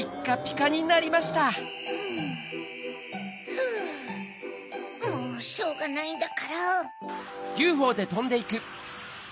ふぅもうしょうがないんだから。